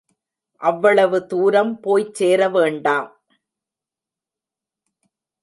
அவ்வளவு தூரம் போய்ச் சேர வேண்டாம்?